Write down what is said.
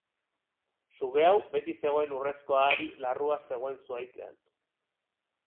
Suge hau, beti zegoen urrezko ahari larrua zegoen zuhaitzean.